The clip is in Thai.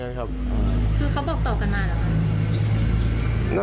มกัน